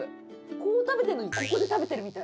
こう食べてんのにここで食べてるみたい。